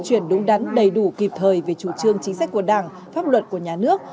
chuyển đúng đắn đầy đủ kịp thời về chủ trương chính sách của đảng pháp luật của nhà nước